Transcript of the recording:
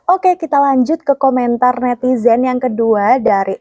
oke kita lanjut ke komentar netizen yang kedua dari